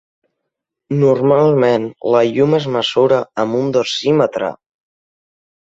Normalment la llum es mesura amb un dosímetre.